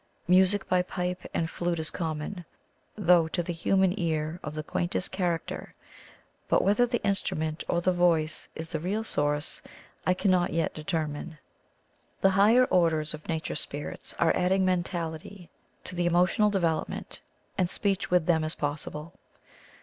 Music by pipe and flute is common, though to the human ear of the quaintest character — ^but whether the instrument or the voice is the real source I cannot yet determine. The higher orders of nature spirits are adding mentality to the emotional development, and speech with them is possible.